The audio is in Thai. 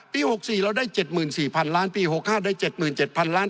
ปีหกสี่เราได้เจ็ดหมื่นสี่พันล้านปีหกห้าได้เจ็ดหมื่นเจ็ดพันล้าน